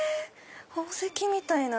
宝石みたいな。